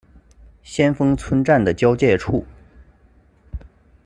先锋村站的交界处。